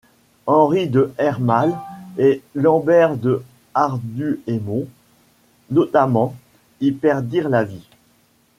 Henri de Hermalle et Lambert de Harduémont, notamment, y perdirent la vie.